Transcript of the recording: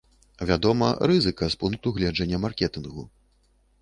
Вядома, рызыка з пункту гледжання маркетынгу.